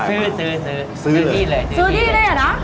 ขอบคุณครับ